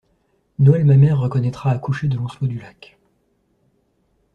Noël Mamère reconnaîtra accoucher de Lancelot Du Lac.